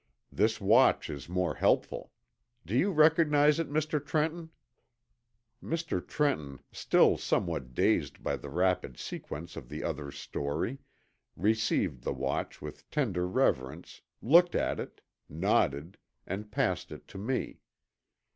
This watch is more helpful. Do you recognize it, Mr. Trenton?" Mr. Trenton, still somewhat dazed by the rapid sequence of the other's story, received the watch with tender reverence, looked at it, nodded, and passed it to me.